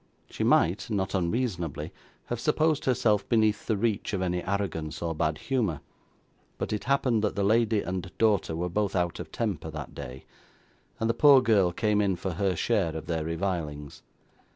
She might, not unreasonably, have supposed herself beneath the reach of any arrogance, or bad humour; but it happened that the lady and daughter were both out of temper that day, and the poor girl came in for her share of their revilings.